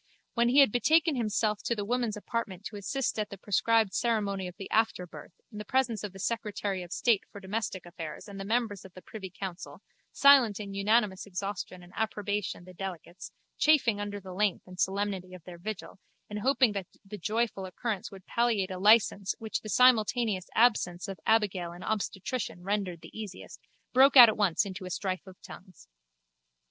When he had betaken himself to the women's apartment to assist at the prescribed ceremony of the afterbirth in the presence of the secretary of state for domestic affairs and the members of the privy council, silent in unanimous exhaustion and approbation the delegates, chafing under the length and solemnity of their vigil and hoping that the joyful occurrence would palliate a licence which the simultaneous absence of abigail and obstetrician rendered the easier, broke out at once into a strife of tongues.